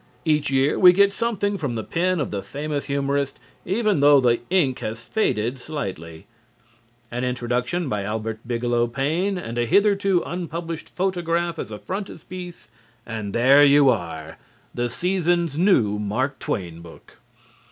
Each year we get something from the pen of the famous humorist, even though the ink has faded slightly. An introduction by Albert Bigelow Paine and a hitherto unpublished photograph as a frontspiece, and there you are the season's new Mark Twain book.